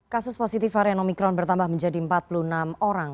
kasus positif varian omikron bertambah menjadi empat puluh enam orang